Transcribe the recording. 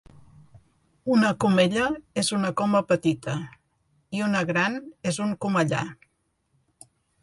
Una comella és una coma petita, i una gran és un comellar.